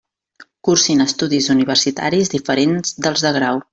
Cursin estudis universitaris diferents dels de grau.